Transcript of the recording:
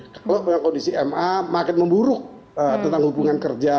kalau kondisi ma makin memburuk tentang hubungan kerja